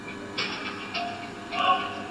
عزت الله پېژاند قدرت الله حليم